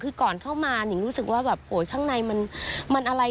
คือก่อนเข้ามานิ่งรู้สึกว่าแบบโอ้ยข้างในมันอะไร